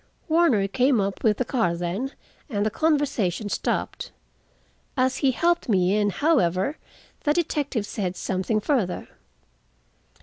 Warner came up with the car then, and the conversation stopped. As he helped me in, however, the detective said something further.